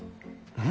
うん！